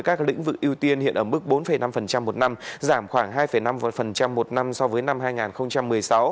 các lĩnh vực ưu tiên hiện ở mức bốn năm một năm giảm khoảng hai năm một năm so với năm hai nghìn một mươi sáu